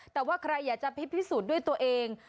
แต่ว่าใครอยากจะพิสูจน์ด้วยตัวเอง